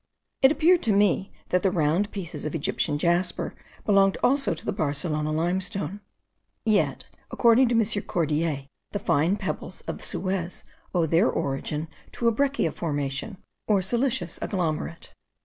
It appeared to me that the round pieces of Egyptian jasper belonged also to the Barcelona limestone. Yet, according to M. Cordier, the fine pebbles of Suez owe their origin to a breccia formation, or siliceous agglomerate.